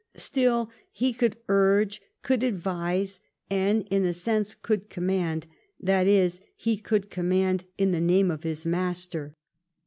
Still, he could urge, could advise, and, in a sense, could command ; that is, he could command in the name of his master.